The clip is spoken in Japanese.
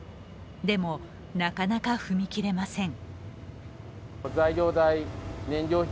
でも、なかなか踏み切れません。